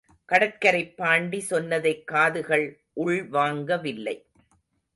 கடற்கரைப் பாண்டி சொன்னதை காதுகள் உள்வாங்கவில்லை.